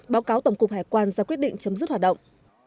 báo cáo tổng cục hải quan ra quyết định chấm dứt hoạt động